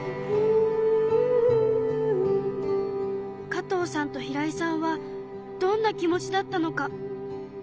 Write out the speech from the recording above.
加藤さんと平位さんはどんな気持ちだったのか？